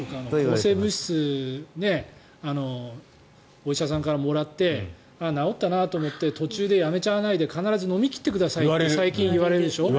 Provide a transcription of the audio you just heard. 抗生物質お医者さんからもらって治ったなと思って途中でやめちゃわないで必ず飲み切ってくださいって最近、言われるでしょ。